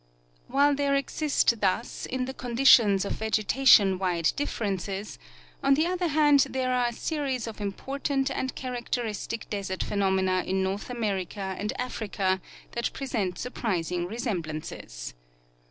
While there exist thus in the conditions of vegetation wide differences, on the other hand there are a series of important 168 Dr Johannes Walther — The North American Deserts. and characteristic desert phenomena in North America and Africa that present surprising resemblances.